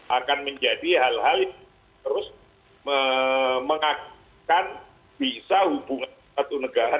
akan menjadi hal hal yang terus mengakibatkan bisa hubungan satu negara